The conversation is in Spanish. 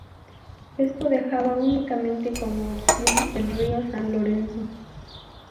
Esto dejaba únicamente como opción el río San Lorenzo.